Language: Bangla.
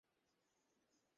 ও বাঁচবে না।